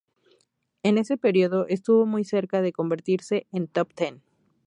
En ese período estuvo muy cerca de convertirse en "Top Ten".